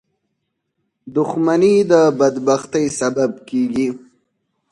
• دښمني د بدبختۍ سبب کېږي.